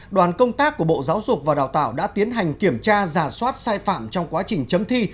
đoàn công tác của bộ giáo dục và đào tạo đã tiến hành kiểm tra giả soát sai phạm trong quá trình chấm thi